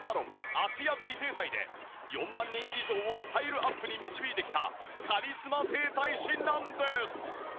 芦屋美整体で４万人以上をスタイルアップに導いてきたカリスマ整体師なんです